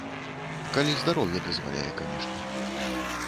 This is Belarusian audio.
Калі здароўе дазваляе, канешне.